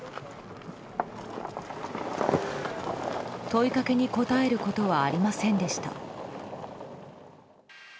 問いかけに答えることはありませんでした。